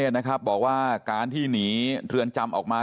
ถ้าออกมาทวงถูกฎหมาย